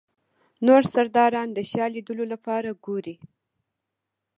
نور سرداران د شاه لیدلو لپاره ګوري.